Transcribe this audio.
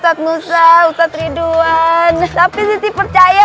saya udah percaya